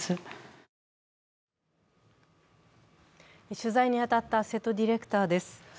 取材に当たった瀬戸ディレクターです。